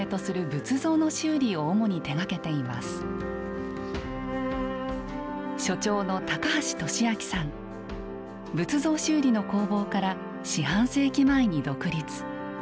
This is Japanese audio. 仏像修理の工房から四半世紀前に独立。